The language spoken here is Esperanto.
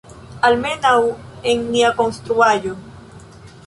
Almenaŭ, en nia konstruaĵo.